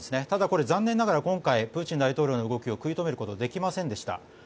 ただ、今回は残念ながらプーチン大統領の動きを食い止めることはできませんでした。